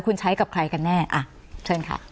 คุณใช้กับใครกันแน่อ่ะเชิญค่ะ